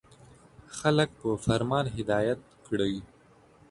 • خلک په فرمان هدایت کړئ.